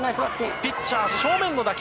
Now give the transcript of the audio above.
ピッチャー正面の打球。